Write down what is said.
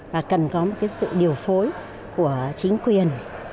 và cần có một sự điều phối của chính quyền